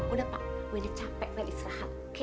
udah pak wina capek wina diserahkan oke